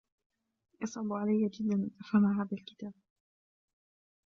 يصعب عليّ جدا أن أفهم هذا الكتاب.